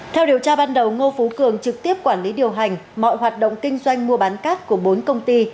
theo điều tra ban đầu ngô phú cường trực tiếp quản lý điều hành mọi hoạt động kinh doanh mua bán cát của bốn công ty